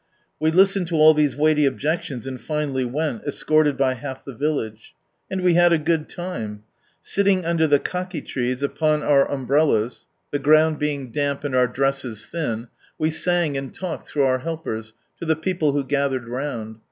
We listened to all these weighty objeclions, and finally went, escorted by half the village. And we had a good time. Silting under the kaki trees, upon our umbrellas. 26 From Sunrise Land I (ihe ground being damp, and our dresses thin) we sang and talked through our heliiers, to tlie people who gathered round.